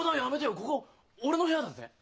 ここ俺の部屋だぜ。